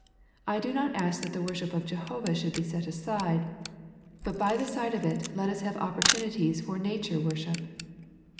I do not ask that the worship of Jehovah should be set aside, but by the side of it let us have opportunities for Nature wor ship.